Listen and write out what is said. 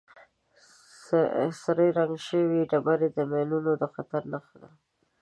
سرې رنګ شوې ډبرې د ماینونو د خطر نښه ده.